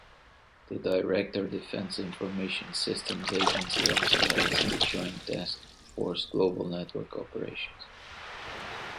The Director, Defense Information Systems Agency also heads the Joint Task Force-Global Network Operations.